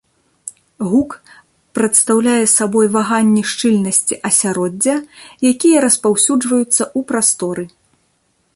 Гук прадстаўляе сабой ваганні шчыльнасці асяроддзя, якія распаўсюджваюцца ў прасторы.